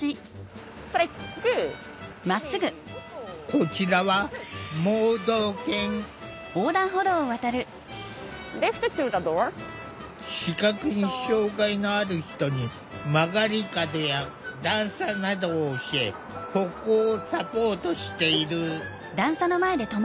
こちらは視覚に障害のある人に曲がり角や段差などを教え歩行をサポートしている。